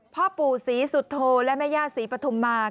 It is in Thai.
พ่อปู่ศรีสุโธและแม่ย่าศรีปฐุมมา